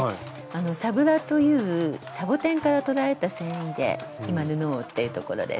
「サブラ」というサボテンから取られた繊維で今布を織っているところです。